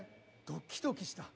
ドキドキした。